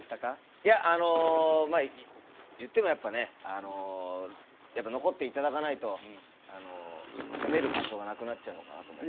いや、いってもね、やっぱ残っていただかないと、ちょっと攻める場所がなくなっちゃうのかなと思って。